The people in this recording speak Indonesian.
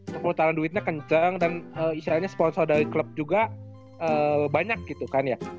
perputaran duitnya kenceng dan isianya sponsor dari klub juga banyak gitu kan ya